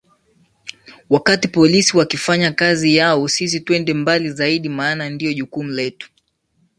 Wakati polisi wakifanya kazi yao sisi twende mbali zaidi maana ndiyo jukumu letu